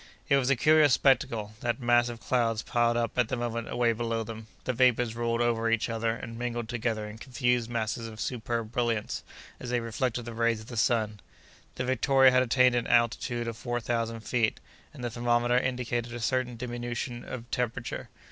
It was a curious spectacle—that mass of clouds piled up, at the moment, away below them! The vapors rolled over each other, and mingled together in confused masses of superb brilliance, as they reflected the rays of the sun. The Victoria had attained an altitude of four thousand feet, and the thermometer indicated a certain diminution of temperature.